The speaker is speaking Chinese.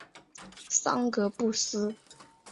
桑格布斯。